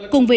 cùng với đó